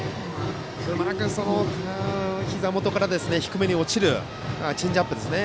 うまくひざ元から低めに落ちるチェンジアップですね。